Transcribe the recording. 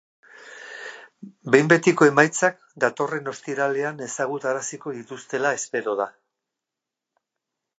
Behin-betiko emaitzak datorren ostiralean ezagutaraziko dituztela espero da.